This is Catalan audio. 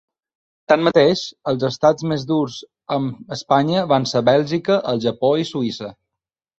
Tanmateix, els estats més durs amb Espanya van ser Bèlgica, el Japó i Suïssa.